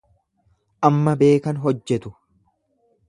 Amma beekan hojjetu.